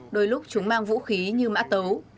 đôi lúc chúng mang vũ khí như mã tấu